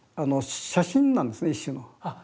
写真なんですね一種の。